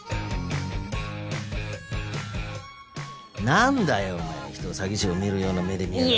なんだよお前人を詐欺師を見るような目で見やがって。